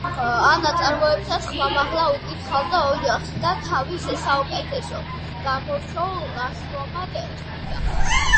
ამ ნაწარმოებსაც ხმამაღლა უკითხავდა ოჯახს და თავის საუკეთესო, გამორჩეულ ნაშრომად თვლიდა.